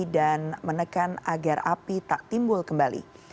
dan menekan agar api tak timbul kembali